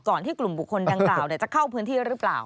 ที่กลุ่มบุคคลดังกล่าวจะเข้าพื้นที่หรือเปล่า